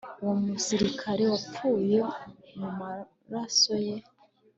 Uwo musirikare wapfuye mumaraso ye